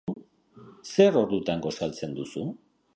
Zer ordutan gosaltzen duzu?